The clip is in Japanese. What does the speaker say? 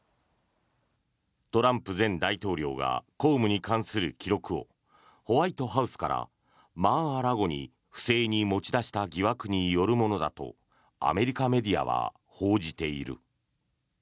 トランプ前大統領が公務に関する記録をホワイトハウスからマー・ア・ラゴに不正に持ち出した疑惑によるものだとアメリカメディアは報じている。